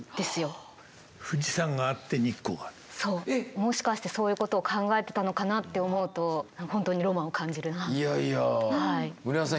もしかしてそういうことを考えてたのかなって思うと本当にいやいや村井さん